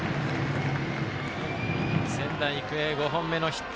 仙台育英、５本目のヒット。